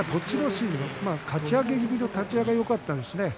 心、かち上げ気味の立ち合いがよかったですね。